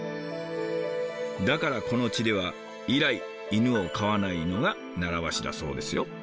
だからこの地では以来犬を飼わないのが習わしだそうですよ。